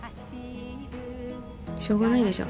しょうがないでしょ。